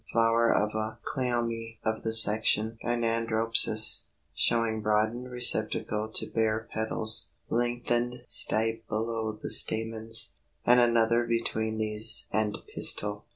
Flower of a Cleome of the section Gynandropsis, showing broadened receptacle to bear petals, lengthened stipe below the stamens, and another between these and pistil.